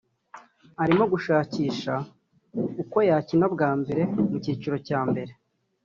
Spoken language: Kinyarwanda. arimo gushakisha uko yakina bwa mbere mu cyiciro cya mbere